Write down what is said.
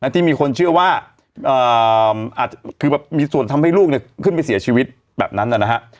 ที่มีคนเชื่อว่ามีส่วนทำให้ลูกขึ้นไปเสียชีวิตแบบนั้นนะครับ